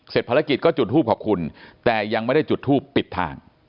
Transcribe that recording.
ภารกิจก็จุดทูปขอบคุณแต่ยังไม่ได้จุดทูปปิดทาง